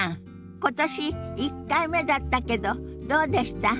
今年１回目だったけどどうでした？